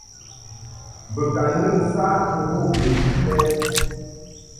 Bo ka nɨn saʼ ndu bɨŋkɨ bɛ.